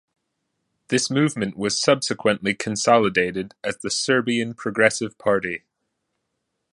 This movement was subsequently consolidated as the Serbian Progressive Party.